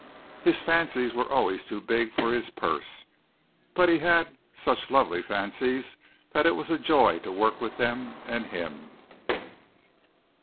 His fancies were always too big for his purse, but he had such lovely fancies that it was a joy to work with them and him.